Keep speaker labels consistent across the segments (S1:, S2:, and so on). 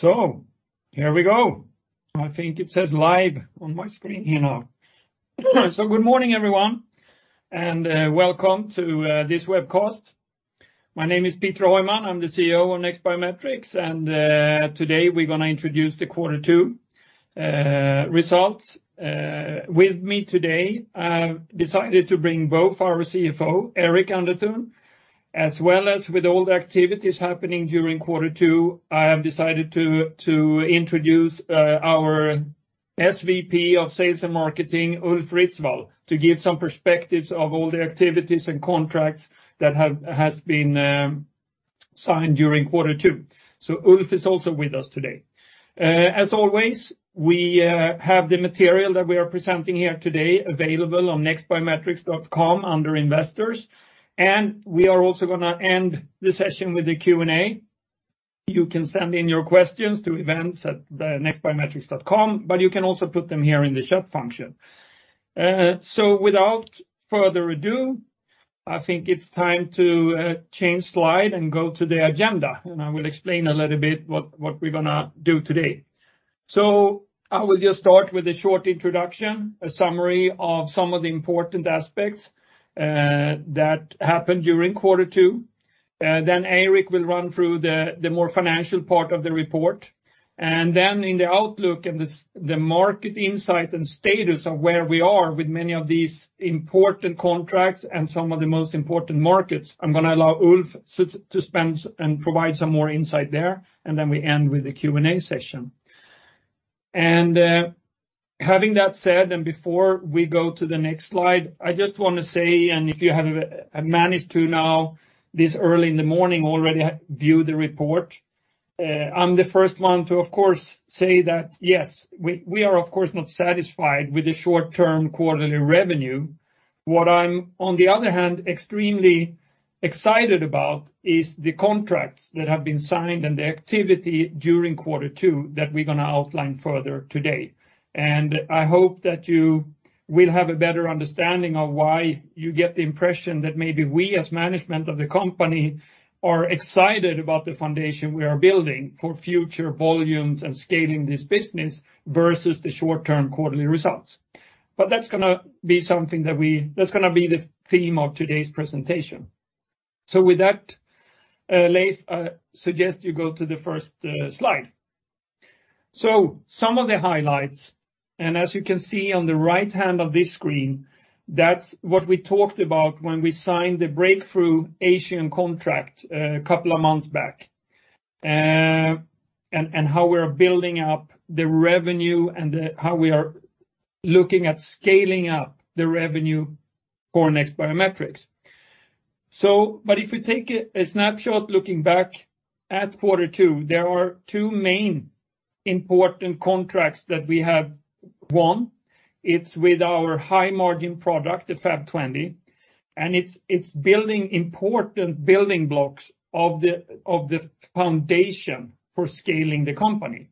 S1: Here we go. I think it says live on my screen here now. Good morning, everyone, and welcome to this webcast. My name is Peter Heuman. I'm the CEO of NEXT Biometrics, and today, we're gonna introduce the quarter two results. With me today, I've decided to bring both our CFO, Eirik Underthun, as well as with all the activities happening during quarter two, I have decided to introduce our SVP of sales and marketing, Ulf Ritsvall, to give some perspectives of all the activities and contracts that has been signed during quarter two. Ulf is also with us today. As always, we have the material that we are presenting here today available on nextbiometrics.com under Investors, and we are also gonna end the session with a Q&A. You can send in your questions to events@nextbiometrics.com, but you can also put them here in the chat function. Without further ado, I think it's time to change slide and go to the agenda, and I will explain a little bit what, what we're gonna do today. I will just start with a short introduction, a summary of some of the important aspects that happened during quarter two. Eirik will run through the, the more financial part of the report. In the outlook and the market insight and status of where we are with many of these important contracts and some of the most important markets, I'm gonna allow Ulf to spend and provide some more insight there, we end with the Q&A session. Having that said, before we go to the next slide, I just wanna say, if you have managed to now, this early in the morning, already view the report, I'm the first one to, of course, say that, yes, we, we are, of course, not satisfied with the short-term quarterly revenue. What I'm, on the other hand, extremely excited about is the contracts that have been signed and the activity during quarter two that we're gonna outline further today. I hope that you will have a better understanding of why you get the impression that maybe we, as management of the company, are excited about the foundation we are building for future volumes and scaling this business versus the short-term quarterly results. That's gonna be something that we- that's gonna be the theme of today's presentation. With that, Leif, I suggest you go to the first slide. Some of the highlights, and as you can see on the right-hand of this screen, that's what we talked about when we signed the breakthrough Asian contract couple of months back, and how we're building up the revenue and how we are looking at scaling up the revenue for NEXT Biometrics. If you take a, a snapshot looking back at quarter two, there are two main important contracts that we have won. It's with our high-margin product, the FAP 20, and it's building important building blocks of the, of the foundation for scaling the company.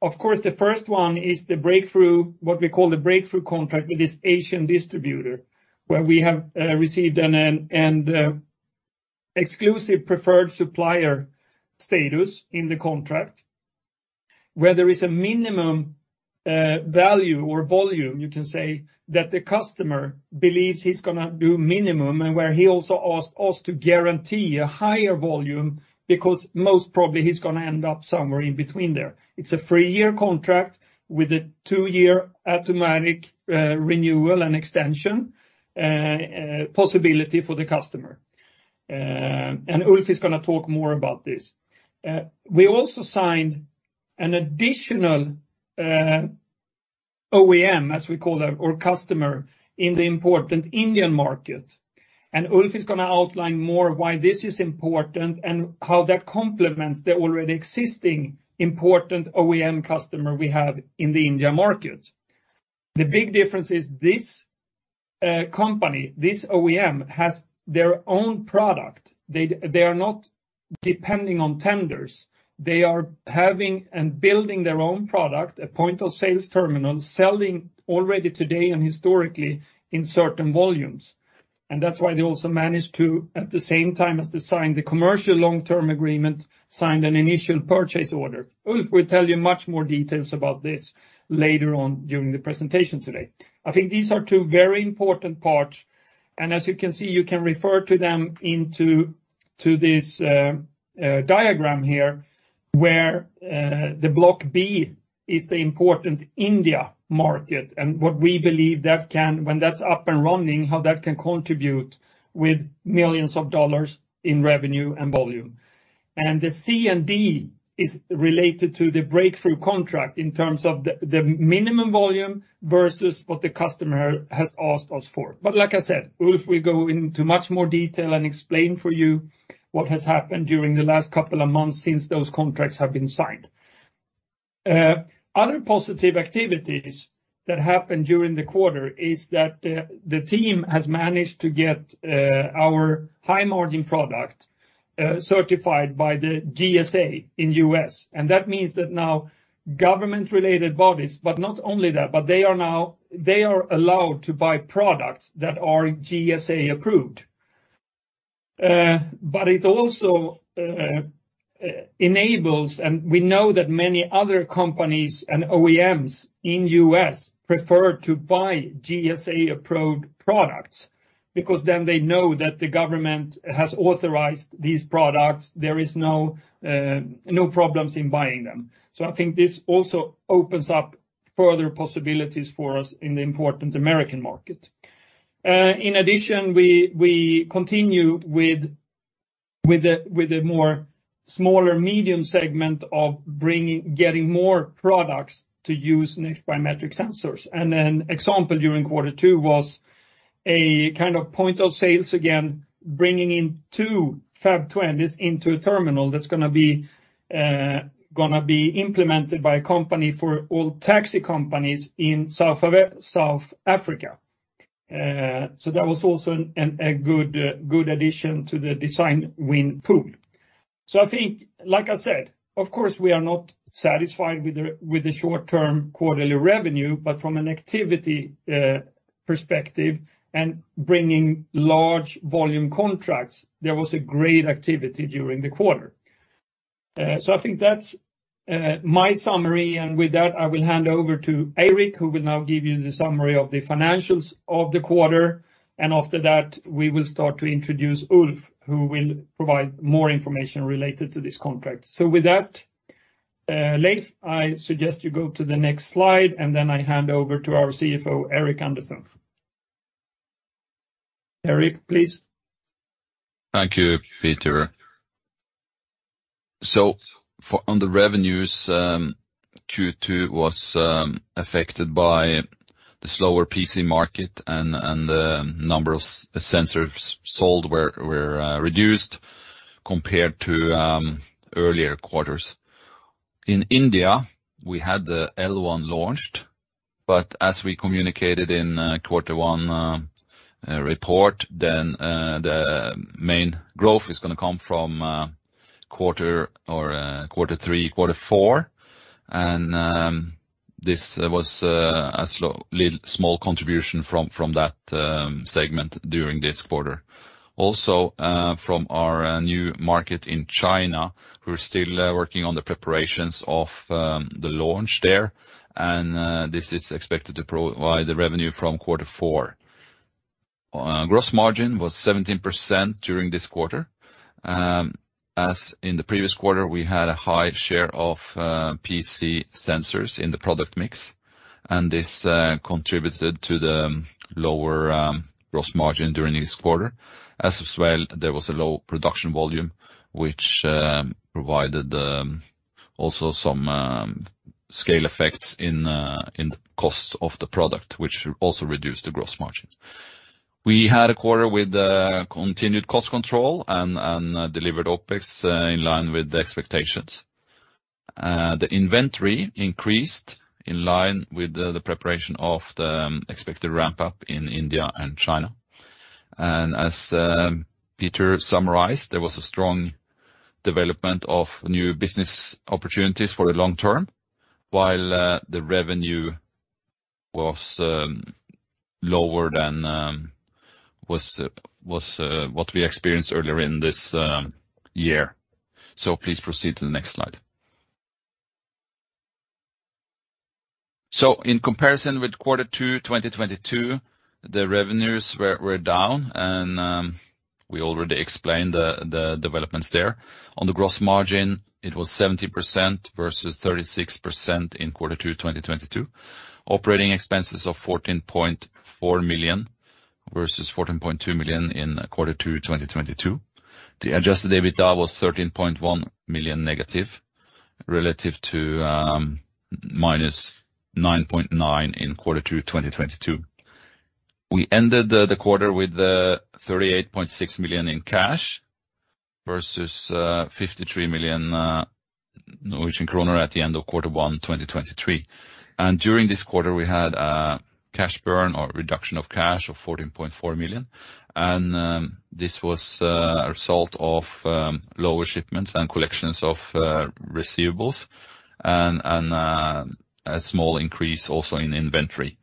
S1: Of course, the first one is the breakthrough, what we call the breakthrough contract with this Asian distributor, where we have received an exclusive preferred supplier status in the contract, where there is a minimum value or volume, you can say, that the customer believes he's gonna do minimum, and where he also asked us to guarantee a higher volume, because most probably he's gonna end up somewhere in between there. It's a three-year contract with a two-year automatic renewal and extension possibility for the customer. Ulf is gonna talk more about this. We also signed an additional OEM, as we call our customer, in the important Indian market. Ulf is gonna outline more why this is important and how that complements the already existing important OEM customer we have in the India market. The big difference is this, company, this OEM, has their own product. They, they are not depending on tenders. They are having and building their own product, a point-of-sales terminal, selling already today and historically in certain volumes. That's why they also managed to, at the same time, as they signed the commercial long-term agreement, signed an initial purchase order. Ulf will tell you much more details about this later on during the presentation today. I think these are two very important parts, and as you can see, you can refer to them to this diagram here, where the Block B is the important India market, and what we believe that can when that's up and running, how that can contribute with millions of dollars in revenue and volume. The C and D is related to the breakthrough contract in terms of the minimum volume versus what the customer has asked us for. Like I said, Ulf will go into much more detail and explain for you what has happened during the last couple of months since those contracts have been signed. Other positive activities that happened during the quarter is that the team has managed to get our high-margin product certified by the GSA in U.S. That means that now government-related bodies are allowed to buy products that are GSA approved. It also enables, and we know that many other companies and OEMs in U.S. prefer to buy GSA-approved products, because then they know that the government has authorized these products. There is no no problems in buying them. I think this also opens up further possibilities for us in the important American market. In addition, we continue with the more smaller, medium segment of getting more products to use NEXT Biometrics sensors. An example during Q2 was a kind of point of sales, again, bringing in two FAP 20s into a terminal that's gonna be gonna be implemented by a company for all taxi companies in South Africa. That was also a good addition to the design win pool. I think, like I said, of course, we are not satisfied with the short-term quarterly revenue, but from an activity perspective and bringing large volume contracts, there was a great activity during the quarter. I think that's my summary, and with that, I will hand over to Eirik, who will now give you the summary of the financials of the quarter. After that, we will start to introduce Ulf, who will provide more information related to this contract. With that, Leif, I suggest you go to the next slide, and then I hand over to our CFO, Eirik Underthun. Eirik, please.
S2: Thank you, Peter. For on the revenues, Q2 was affected by the slower PC market, and the number of sensors sold were reduced compared to earlier quarters. In India, we had the L1 launched, as we communicated in quarter one report, the main growth is gonna come from quarter or quarter three, quarter four. This was a slow, little, small contribution from that segment during this quarter. From our new market in China, we're still working on the preparations of the launch there, and this is expected to provide the revenue from quarter four. Gross margin was 17% during this quarter. As in the previous quarter, we had a high share of PC sensors in the product mix, this contributed to the lower gross margin during this quarter. As well, there was a low production volume, which provided also some scale effects in the cost of the product, which also reduced the gross margin. We had a quarter with continued cost control and delivered OpEx in line with the expectations. The inventory increased in line with the preparation of the expected ramp-up in India and China. As Peter summarized, there was a strong development of new business opportunities for the long term, while the revenue was lower than what we experienced earlier in this year. Please proceed to the next slide. In comparison with Q2 2022, the revenues were down, and we already explained the developments there. On the gross margin, it was 70% versus 36% in Q2 2022. Operating expenses of 14.4 million versus 14.2 million in Q2 2022. The adjusted EBITDA was 13.1 million negative, relative to -9.9 million in Q2 2022. We ended the quarter with 38.6 million in cash, versus 53 million Norwegian kroner at the end of Q1 2023. During this quarter, we had a cash burn or reduction of cash of 14.4 million, and this was a result of lower shipments and collections of receivables, and a small increase also in inventory.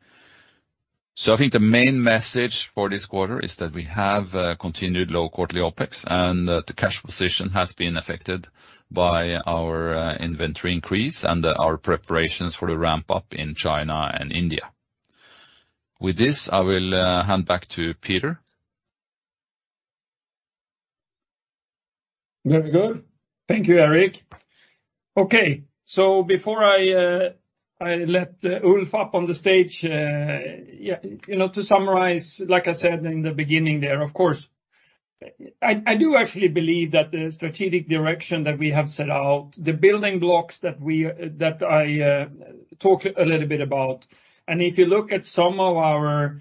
S2: I think the main message for this quarter is that we have continued low quarterly OpEx, and the cash position has been affected by our inventory increase and our preparations for the ramp-up in China and India. With this, I will hand back to Peter.
S1: Very good. Thank you, Eirik. Before I, I let Ulf up on the stage, yeah, you know, to summarize, like I said in the beginning there, of course, I, I do actually believe that the strategic direction that we have set out, the building blocks that I talked a little bit about, and if you look at some of our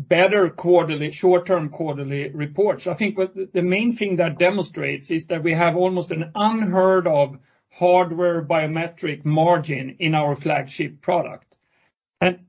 S1: better quarterly, short-term quarterly reports, I think what the, the main thing that demonstrates is that we have almost an unheard of hardware biometric margin in our flagship product.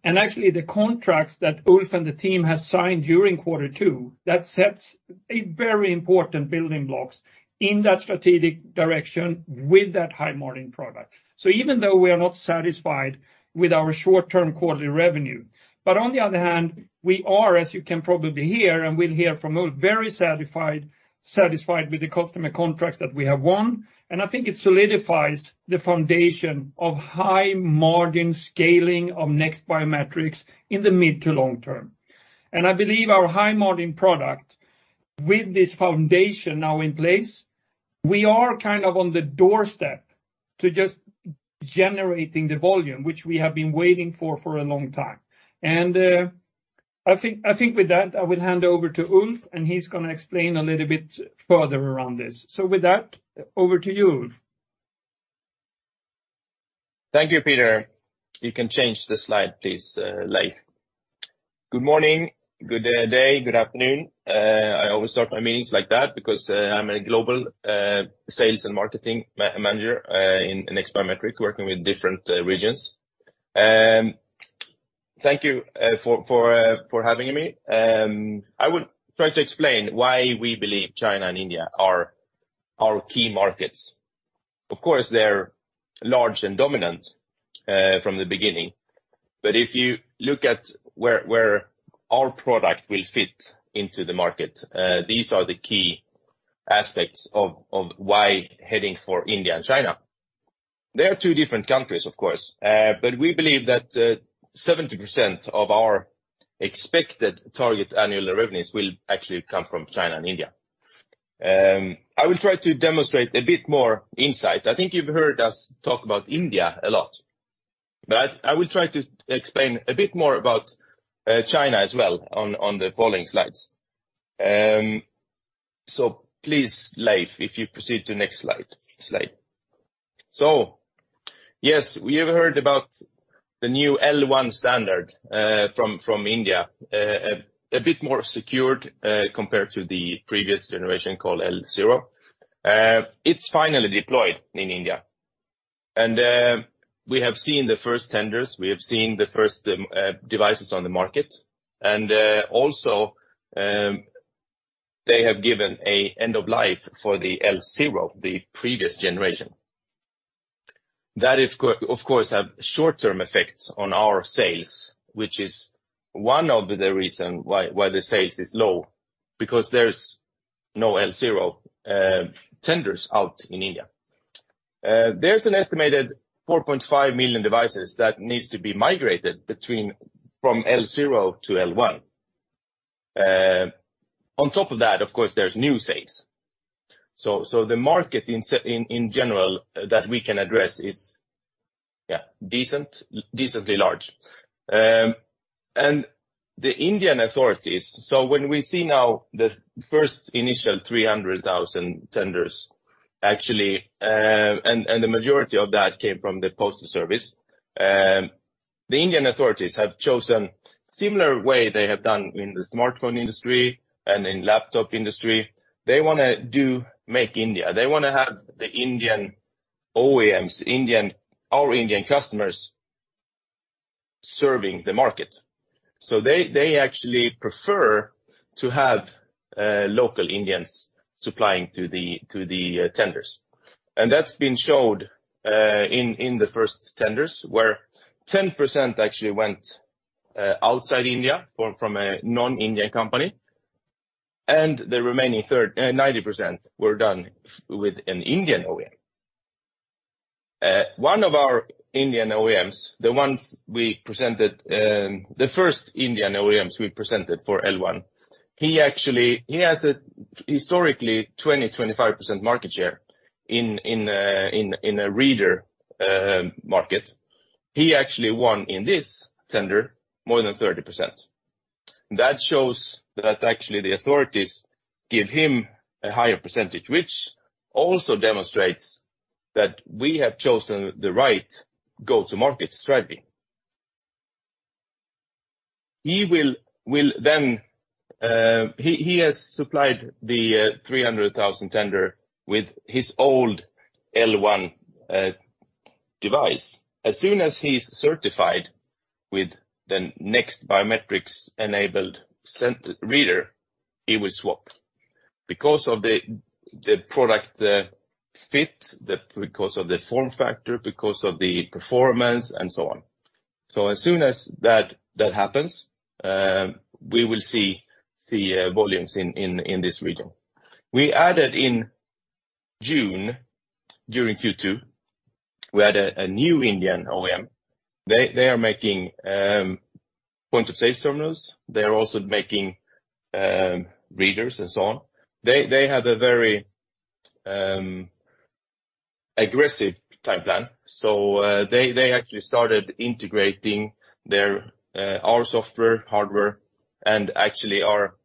S1: Actually the contracts that Ulf and the team has signed during quarter two, that sets a very important building blocks in that strategic direction with that high-margin product. Even though we are not satisfied with our short-term quarterly revenue, but on the other hand, we are, as you can probably hear, and we'll hear from Ulf, very satisfied, satisfied with the customer contracts that we have won. I think it solidifies the foundation of high-margin scaling of NEXT Biometrics in the mid to long term. I believe our high-margin product, with this foundation now in place, we are kind of on the doorstep to just generating the volume, which we have been waiting for, for a long time. I think, I think with that, I will hand over to Ulf, and he's going to explain a little bit further around this. With that, over to you, Ulf.
S3: Thank you, Peter. You can change the slide, please, Leif. Good morning, good day, good afternoon. I always start my meetings like that because I'm a global sales and marketing manager in NEXT Biometrics, working with different regions. Thank you for having me. I will try to explain why we believe China and India are our key markets. Of course, they're large and dominant from the beginning, but if you look at where our product will fit into the market, these are the key aspects of why heading for India and China. They are two different countries, of course, but we believe that 70% of our expected target annual revenues will actually come from China and India. I will try to demonstrate a bit more insight. I think you've heard us talk about India a lot, but I will try to explain a bit more about China as well on the following slides. Please, Leif, if you proceed to the next slide. Yes, we have heard about the new L1 standard from India, a bit more secured compared to the previous generation called L0. It's finally deployed in India, and we have seen the first tenders, we have seen the first devices on the market, and also, they have given an end of life for the L0, the previous generation. That is of course, have short-term effects on our sales, which is one of the reason why the sales is low, because there's no L0 tenders out in India. There's an estimated 4.5 million devices that needs to be migrated from L0 to L1. On top of that, of course, there's new sales. The market in general that we can address is, yeah, decent, decently large. The Indian authorities, when we see now the first initial 300,000 tenders, actually, and the majority of that came from the postal service. The Indian authorities have chosen similar way they have done in the smartphone industry and in laptop industry. They want to do Make in India. They want to have the Indian OEMs, Indian, our Indian customers, serving the market. They actually prefer to have local Indians supplying to the tenders. That's been showed in the first tenders, where 10% actually went outside India from a non-Indian company, and the remaining third, 90% were done with an Indian OEM. One of our Indian OEMs, the ones we presented, the first Indian OEMs we presented for L1, he actually, he has a historically 20%-25% market share in a reader market. He actually won in this tender more than 30%. That shows that actually the authorities give him a higher percentage, which also demonstrates that we have chosen the right go-to-market strategy. He has supplied the 300,000 tender with his old L1 device. As soon as he's certified with the NEXT Biometrics-enabled reader, he will swap. Because of the, the product fit, the, because of the form factor, because of the performance, and so on. As soon as that, that happens, we will see, see volumes in, in, in this region. We added in June, during Q2, we added a new Indian OEM. They, they are making point-of-sale terminals. They are also making readers and so on. They, they had a very aggressive time plan. They, they actually started integrating their our software, hardware, and actually are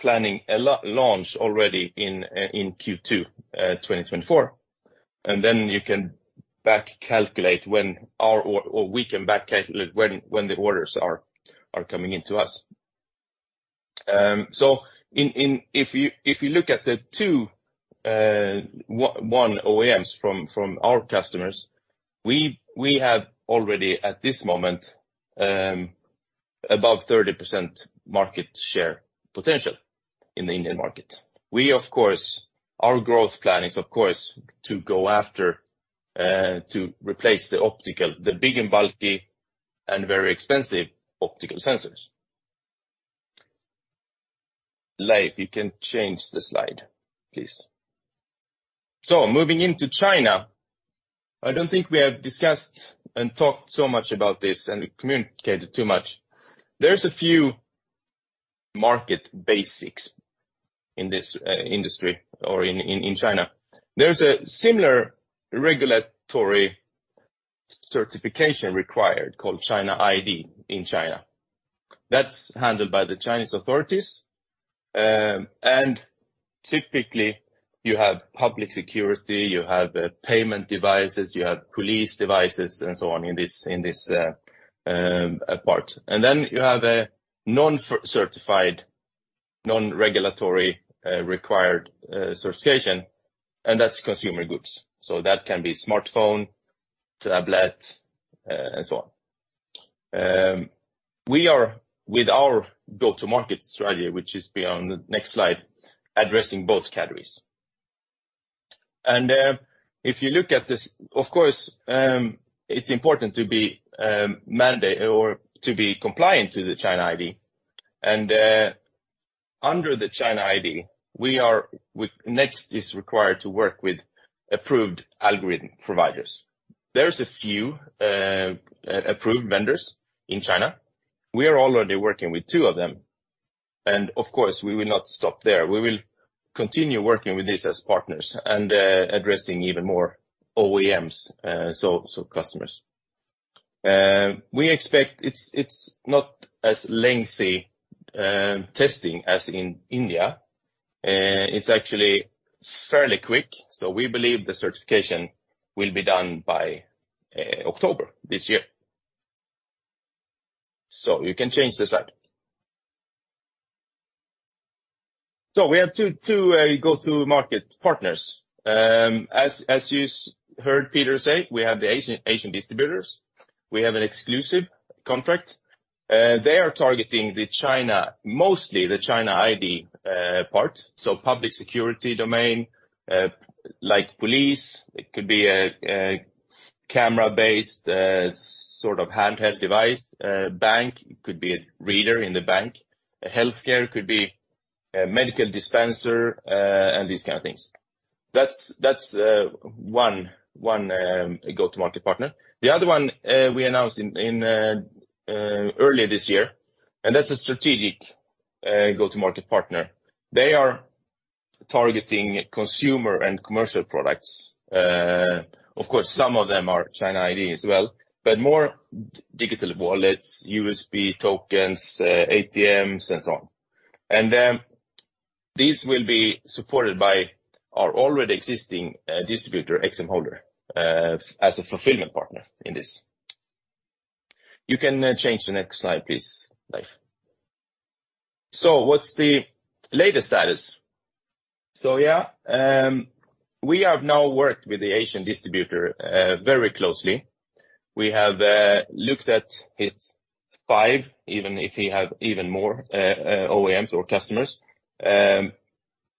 S3: planning a la- launch already in Q2 2024. You can back calculate when our or, or we can back calculate when, when the orders are, are coming into us. In, in, if you, if you look at the two, one OEMs from, from our customers, we, we have already, at this moment, above 30% market share potential in the Indian market. We, of course, our growth plan is, of course, to go after, to replace the optical, the big and bulky and very expensive optical sensors. Leif, you can change the slide, please. Moving into China, I don't think we have discussed and talked so much about this and communicated too much. There's a few market basics in this industry or in, in, in China. There's a similar regulatory certification required called China ID in China. That's handled by the Chinese authorities. Typically, you have public security, you have payment devices, you have police devices, and so on in this, in this part. You have a non-FBI certified, non-regulatory required certification, and that's consumer goods. That can be smartphone, tablet, and so on. We are, with our go-to-market strategy, which is beyond the next slide, addressing both categories. If you look at this, of course, it's important to be mandate or to be compliant to the China ID. Under the China ID, we are with NEXT is required to work with approved algorithm providers. There's a few approved vendors in China. We are already working with two of them, and of course, we will not stop there. We will continue working with these as partners and addressing even more OEMs, so, so customers. We expect it's, it's not as lengthy testing as in India. It's actually fairly quick, so we believe the certification will be done by October this year. You can change the slide. We have two, two go-to-market partners. As, as you heard Peter say, we have the Asian, Asian distributors. We have an exclusive contract. They are targeting the China, mostly the China ID part, so public security domain, like police. It could be a camera-based, sort of handheld device, bank. It could be a reader in the bank. A healthcare could be a medical dispenser, and these kind of things. That's, that's one, one go-to-market partner. The other one, we announced in earlier this year, and that's a strategic go-to-market partner. They are targeting consumer and commercial products. Of course, some of them are China ID as well, but more digital wallets, USB tokens, ATMs, and so on. These will be supported by our already existing distributor, XM Holder, as a fulfillment partner in this. You can change the next slide, please, Leif. What's the latest status? We have now worked with the Asian distributor very closely. We have looked at his five, even if he have even more OEMs or customers.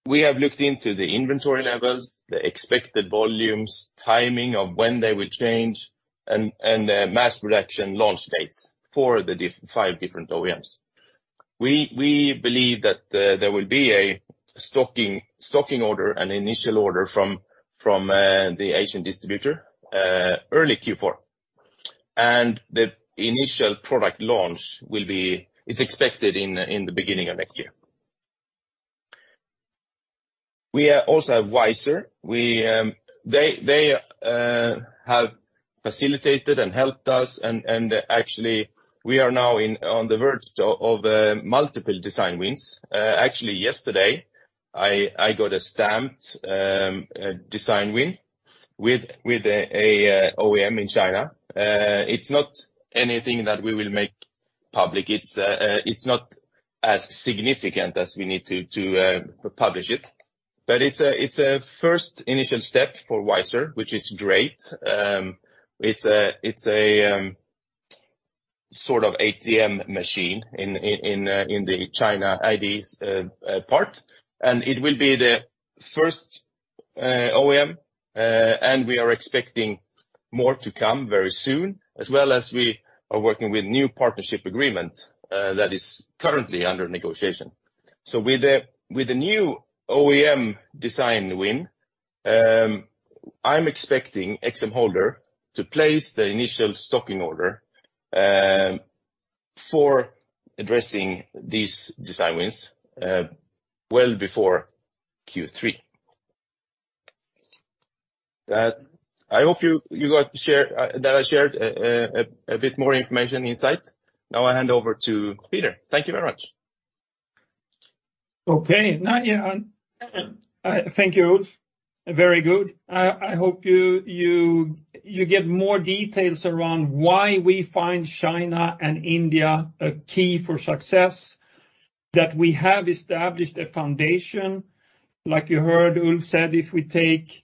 S3: We have looked into the inventory levels, the expected volumes, timing of when they will change, and mass production launch dates for the five different OEMs. We believe that there will be a stocking order and initial order from the Asian distributor early Q4. The initial product launch is expected in the beginning of next year. We are also Weisheng. We, they have facilitated and helped us, and actually, we are now on the verge of multiple design wins. Actually, yesterday, I got a stamped design win with a OEM in China. It's not anything that we will make public. It's not as significant as we need to publish it, but it's a first initial step for Wiser, which is great. It's a, it's a, sort of ATM machine in, in, in, in the China ID part, and it will be the first OEM, and we are expecting more to come very soon, as well as we are working with new partnership agreement that is currently under negotiation. With the, with the new OEM design win, I'm expecting XM Holder to place the initial stocking order for addressing these design wins well before Q3. I hope you, you got to share that I shared a bit more information, insight. Now I hand over to Peter. Thank you very much!
S1: Okay, now, yeah, thank you, Ulf. Very good. I, I hope you, you, you get more details around why we find China and India a key for success, that we have established a foundation. Like you heard Ulf said, if we take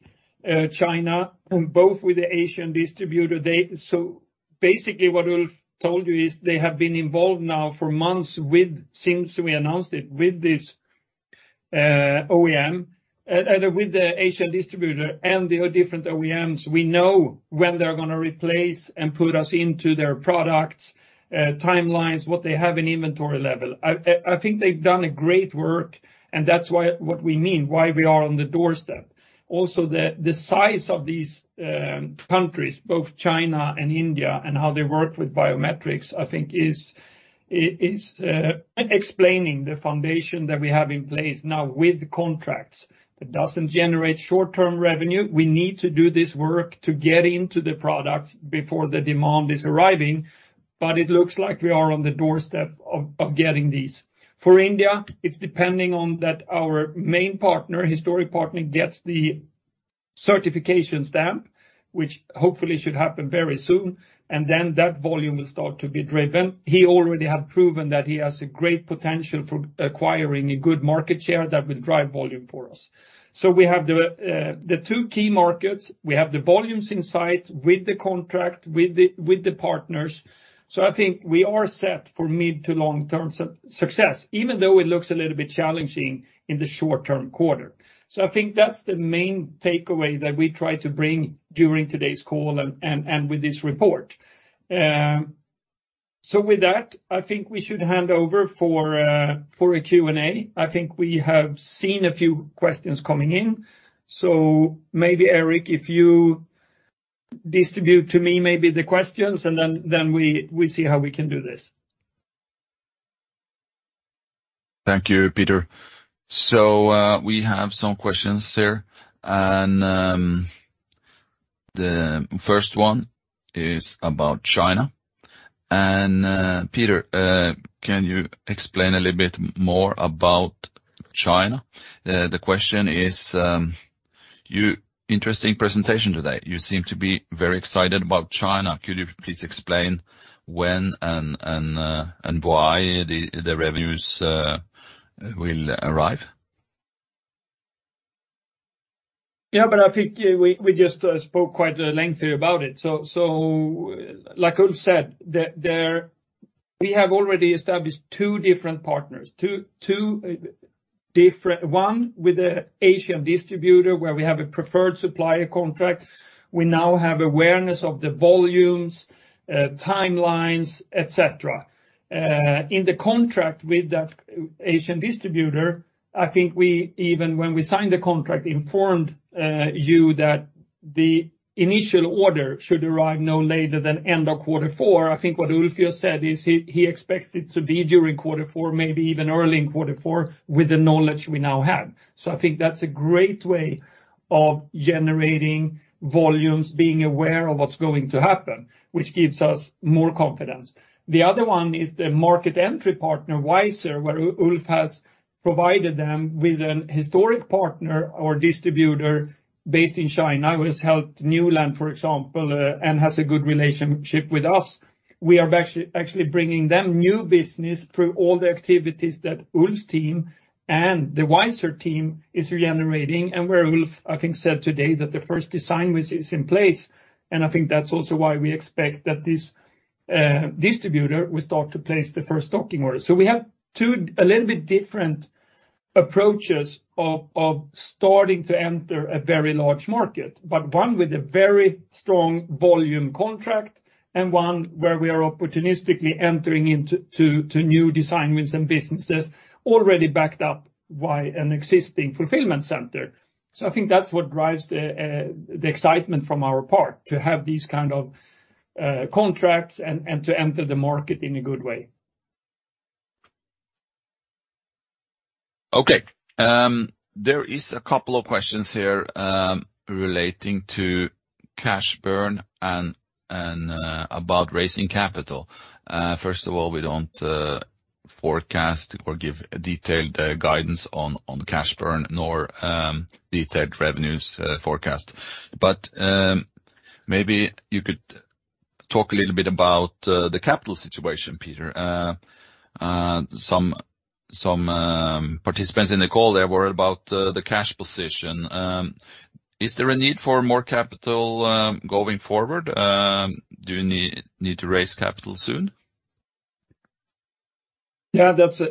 S1: China, and both with the Asian distributor, so basically what Ulf told you is they have been involved now for months with, since we announced it, with this OEM, and with the Asian distributor and the different OEMs, we know when they're gonna replace and put us into their products, timelines, what they have in inventory level. I think they've done a great work, and that's what we mean, why we are on the doorstep. The, the size of these countries, both China and India, and how they work with biometrics, I think is, is explaining the foundation that we have in place now with contracts. That doesn't generate short-term revenue. We need to do this work to get into the products before the demand is arriving, but it looks like we are on the doorstep of, of getting these. For India, it's depending on that our main partner, historic partner, gets the certification stamp, which hopefully should happen very soon, and then that volume will start to be driven. He already have proven that he has a great potential for acquiring a good market share that will drive volume for us. We have the two key markets. We have the volumes in sight with the contract, with the, with the partners. I think we are set for mid to long-term success, even though it looks a little bit challenging in the short-term quarter. I think that's the main takeaway that we try to bring during today's call and with this report. With that, I think we should hand over for a Q&A. I think we have seen a few questions coming in. Maybe, Eirik, if you distribute to me maybe the questions, and then we see how we can do this.
S2: Thank you, Peter. We have some questions here, the first one is about China. Peter, can you explain a little bit more about China? The question is: Interesting presentation today. You seem to be very excited about China. Could you please explain when and why the revenues will arrive?
S1: Yeah, I think we, we just spoke quite lengthy about it. Like Ulf said, we have already established two different partners, two, two different. One, with a Asian distributor, where we have a preferred supplier contract. We now have awareness of the volumes, timelines, et cetera. In the contract with that Asian distributor, I think we, even when we signed the contract, informed you that the initial order should arrive no later than end of Q4. I think what Ulf just said is he, he expects it to be during Q4, maybe even early in Q4, with the knowledge we now have. I think that's a great way of generating volumes, being aware of what's going to happen, which gives us more confidence. The other one is the market entry partner, Weisheng, where Ulf has provided them with an historic partner or distributor based in China, who has helped Newland, for example, and has a good relationship with us. We are actually, actually bringing them new business through all the activities that Ulf's team and the Weisheng team is generating, and where Ulf, I think, said today that the first design win is in place. I think that's also why we expect that this distributor will start to place the first stocking order. We have two a little bit different approaches of, of starting to enter a very large market, but one with a very strong volume contract, and one where we are opportunistically entering into new design wins and businesses already backed up by an existing fulfillment center. I think that's what drives the excitement from our part, to have these kind of contracts and to enter the market in a good way.
S2: Okay, there is a couple of questions here, relating to cash burn and, and about raising capital. First of all, we don't forecast or give detailed guidance on cash burn, nor detailed revenues forecast. Maybe you could talk a little bit about the capital situation, Peter. Some, some participants in the call, they're worried about the cash position. Is there a need for more capital going forward? Do you need to raise capital soon?
S1: Yeah, that's a,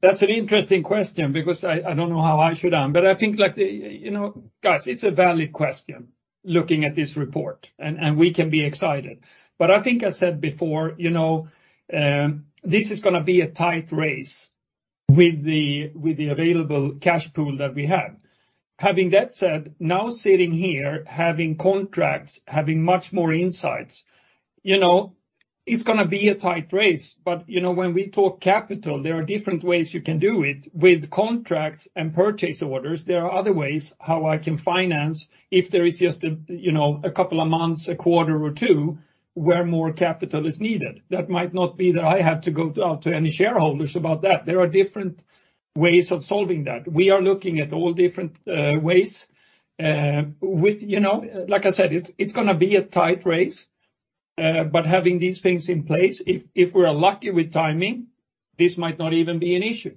S1: that's an interesting question because I, I don't know how I should. I think like, you know, guys, it's a valid question, looking at this report, and we can be excited. I think I said before, you know, this is gonna be a tight race with the, with the available cash pool that we have. Having that said, now sitting here, having contracts, having much more insights, you know. It's going to be a tight race, but, you know, when we talk capital, there are different ways you can do it. With contracts and purchase orders, there are other ways how I can finance if there is just a, you know, a couple of months, a quarter or two, where more capital is needed. That might not be that I have to go out to any shareholders about that. There are different ways of solving that. We are looking at all different ways, you know, like I said, it's, it's going to be a tight race, but having these things in place, if, if we're lucky with timing, this might not even be an issue.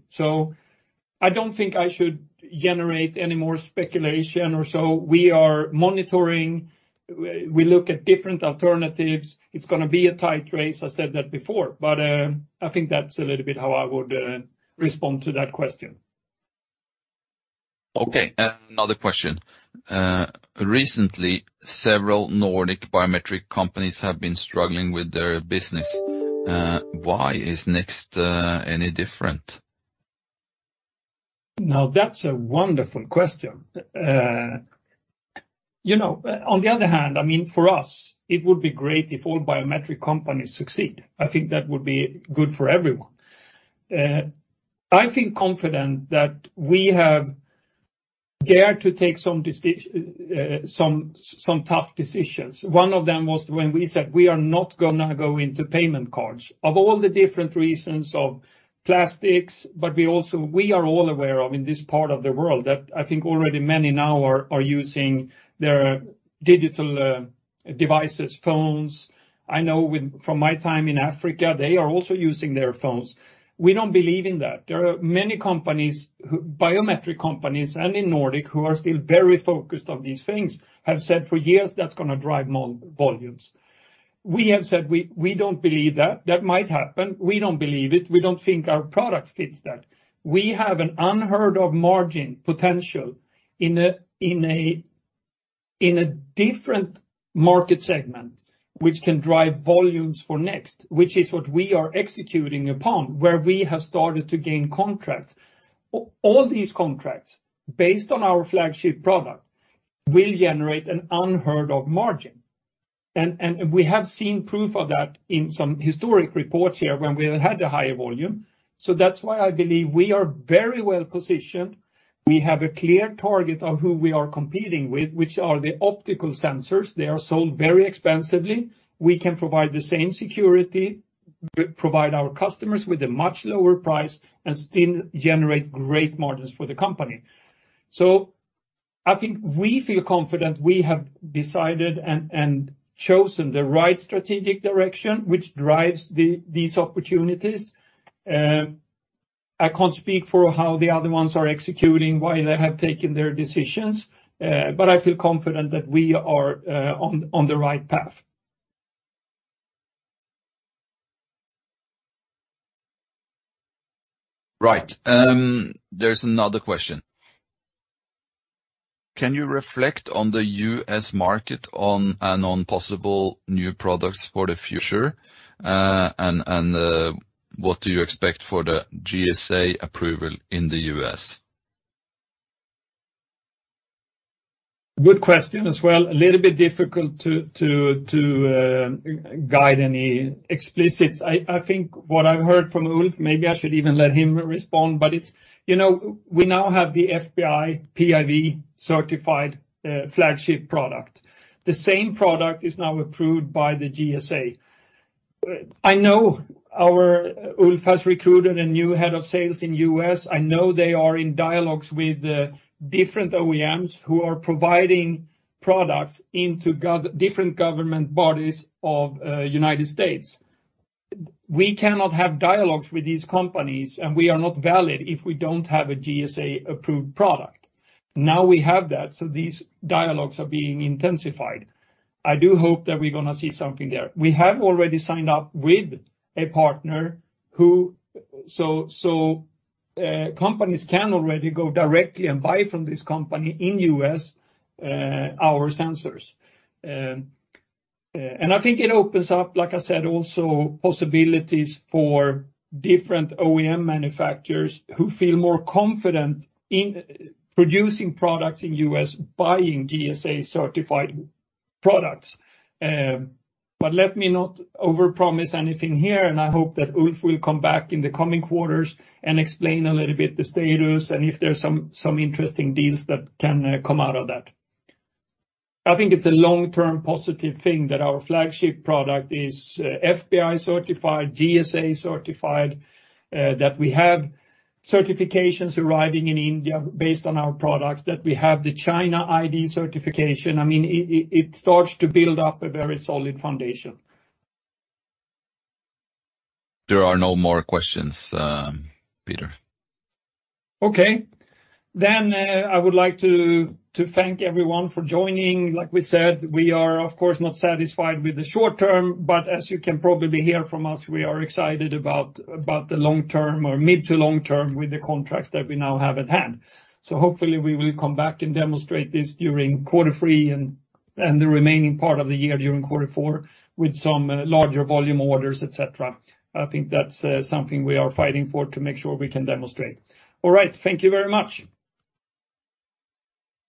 S1: I don't think I should generate any more speculation or so. We are monitoring. We, we look at different alternatives. It's going to be a tight race, I said that before, but, I think that's a little bit how I would respond to that question.
S2: Okay, another question. Recently, several Nordic biometric companies have been struggling with their business. Why is NEXT any different?
S1: Now, that's a wonderful question. You know, on the other hand, I mean, for us, it would be great if all biometric companies succeed. I think that would be good for everyone. I feel confident that we have dared to take some tough decisions. One of them was when we said we are not going to go into payment cards. Of all the different reasons of plastics, but we are all aware of in this part of the world, that I think already many now are using their digital devices, phones. I know from my time in Africa, they are also using their phones. We don't believe in that. There are many companies, biometric companies, and in Nordic, who are still very focused on these things, have said for years that's going to drive more volumes. We have said we, we don't believe that. That might happen, we don't believe it, we don't think our product fits that. We have an unheard-of margin potential in a, in a, in a different market segment, which can drive volumes for NEXT, which is what we are executing upon, where we have started to gain contracts. All these contracts, based on our flagship product, will generate an unheard-of margin. We have seen proof of that in some historic reports here when we had the higher volume. That's why I believe we are very well positioned. We have a clear target of who we are competing with, which are the optical sensors. They are sold very expensively. We can provide the same security, provide our customers with a much lower price, and still generate great margins for the company. I think we feel confident we have decided and, and chosen the right strategic direction, which drives these opportunities. I can't speak for how the other ones are executing, why they have taken their decisions, but I feel confident that we are on the right path.
S2: Right. There's another question. Can you reflect on the US market and on possible new products for the future? What do you expect for the GSA approval in the US?
S1: Good question as well. A little bit difficult to, to, to guide any explicits. I, I think what I've heard from Ulf, maybe I should even let him respond, but it's, you know, we now have the FBI PIV-certified flagship product. The same product is now approved by the GSA. I know our Ulf has recruited a new head of sales in US. I know they are in dialogues with different OEMs who are providing products into different government bodies of United States. We cannot have dialogues with these companies, and we are not valid if we don't have a GSA-approved product. Now we have that, so these dialogues are being intensified. I do hope that we're going to see something there. We have already signed up with a partner. Companies can already go directly and buy from this company in US, our sensors. I think it opens up, like I said, also possibilities for different OEM manufacturers who feel more confident in producing products in US, buying GSA-certified products. Let me not overpromise anything here, and I hope that Ulf will come back in the coming quarters and explain a little bit the status and if there are some, some interesting deals that can come out of that. I think it's a long-term positive thing that our flagship product is FBI-certified, GSA-certified, that we have certifications arriving in India based on our products, that we have the China ID certification. I mean, it starts to build up a very solid foundation.
S2: There are no more questions, Peter.
S1: Okay. I would like to, to thank everyone for joining. Like we said, we are, of course, not satisfied with the short term, but as you can probably hear from us, we are excited about, about the long term or mid to long term with the contracts that we now have at hand. Hopefully we will come back and demonstrate this during quarter three and, and the remaining part of the year during quarter four, with some larger volume orders, et cetera. I think that's something we are fighting for to make sure we can demonstrate. All right. Thank you very much.